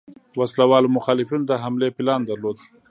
وسله والو مخالفینو د حملې پلان درلود.